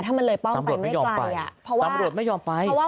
ถ้ามันเลยป้องไปไม่ไกลอ่ะตำรวจไม่ยอมไป